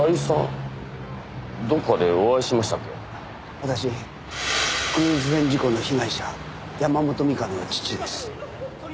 私クルーズ船事故の被害者山本美香の父です。